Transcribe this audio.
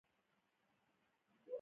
د مخابراتو وزارت انټرنیټ کنټرولوي؟